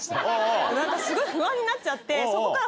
すごい不安になっちゃって。